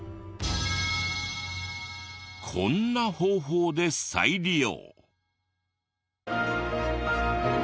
こんな方法で再利用。